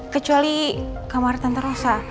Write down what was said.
kecuali kamar tante rosa